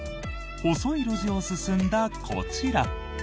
細い路地を進んだこちら。